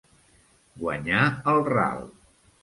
Guanyar el ral.